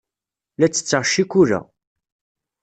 La ttetteɣ ccikula.